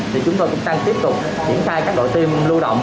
thì chúng tôi cũng đang tiếp tục diễn khai các đội tiêm lưu động